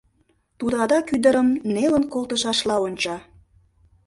Тудо адак ӱдырым нелын колтышашла онча.